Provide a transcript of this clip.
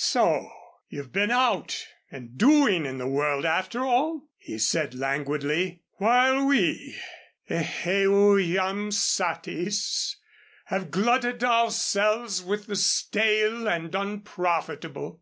"So you've been out and doing in the world, after all?" he said, languidly, "while we eheu jam satis! have glutted ourselves with the stale and unprofitable.